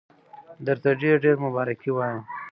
درته ډېر ډېر مبارکي وایم.